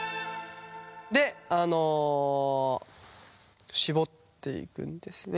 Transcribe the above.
であのしぼっていくんですね。